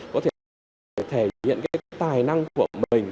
có thể thể hiện tài năng của mình